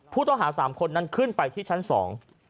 ผู้ต้องหาสามคนนั้นขึ้นไปที่ชั้นสอง